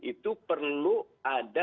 itu perlu ada